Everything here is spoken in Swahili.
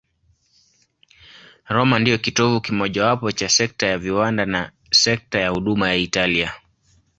Roma ndiyo kitovu kimojawapo cha sekta ya viwanda na sekta ya huduma ya Italia.